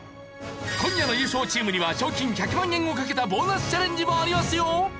今夜の優勝チームには賞金１００万円をかけたボーナスチャレンジもありますよ。